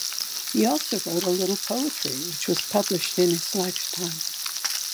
He also wrote a little poetry which was published in his lifetime.